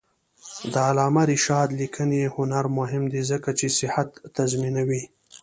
د علامه رشاد لیکنی هنر مهم دی ځکه چې صحت تضمینوي.